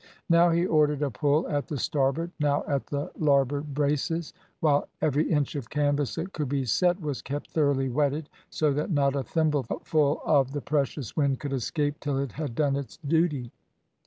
Now he ordered a pull at the starboard, now at the larboard braces, while every inch of canvas that could be set was kept thoroughly wetted so that not a thimbleful of the precious wind could escape till it had done its duty.